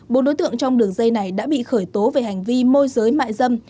bộ đối tượng trong đường dây này đã bị khởi tố về hành vi môi giới mạng dâm